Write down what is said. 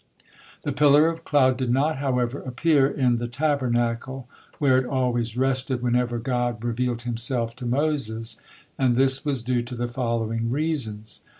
The pillar of cloud did not, however, appear in the Tabernacle, where it always rested whenever God revealed Himself to Moses, and this was due to the following reasons.